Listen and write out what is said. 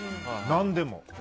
何でも。